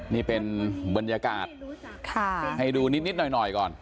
นี่เป็นบรรยากาศให้ดูนิดหน่อยก่อน